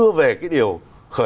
đối với doanh nghiệp đó hay không